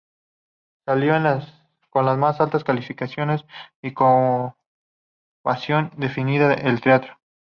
Salió con las más altas calificaciones y con vocación definida: el teatro.